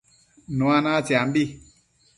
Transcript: Nua natsiambi